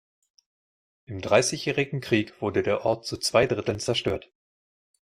Im Dreißigjährigen Krieg wurde der Ort zu zwei Dritteln zerstört.